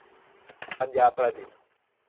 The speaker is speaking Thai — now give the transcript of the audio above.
ปัญญาประดิษฐ์